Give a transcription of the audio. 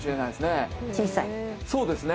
そうですね。